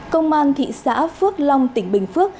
công an thị xã phước long tỉnh bình phước